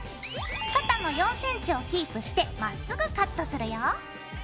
肩の４ｃｍをキープしてまっすぐカットするよ。